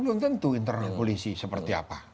belum tentu internal polisi seperti apa